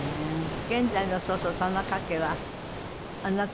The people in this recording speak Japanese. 現在のそうすると田中家はあなた？